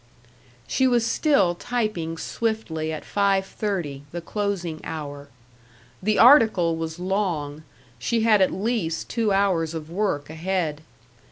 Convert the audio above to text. She was still typing swiftly at five thirty, the closing hour. The article was long; she had at least two hours of work ahead.